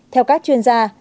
theo các chuyên gia